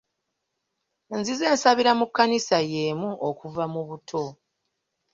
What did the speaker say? Nzize nsabira mu kkanisa y'emu okuva mu buto.